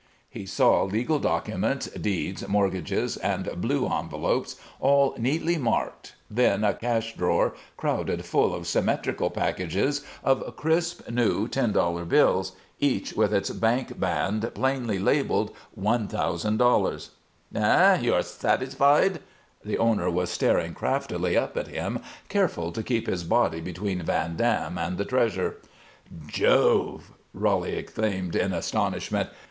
He saw legal documents, deeds, mortgages, and blue envelopes, all neatly marked, then a cash drawer crowded full of symmetrical packages of crisp, new ten dollar bills, each with its bank band plainly labeled "$1000." "Eh? Are you satisfied?" The owner was staring craftily up at him, careful to keep his body between Van Dam and the treasure. "Jove!" Roly exclaimed in astonishment.